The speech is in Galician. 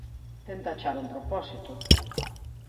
Tenta achar un propósito.